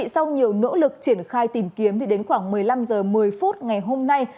sau nhiều nỗ lực triển khai tìm kiếm đến khoảng một mươi năm h một mươi phút ngày hôm nay